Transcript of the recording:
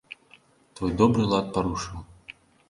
Твой добры лад парушыў.